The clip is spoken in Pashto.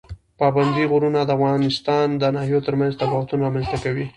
پابندی غرونه د افغانستان د ناحیو ترمنځ تفاوتونه رامنځ ته کوي.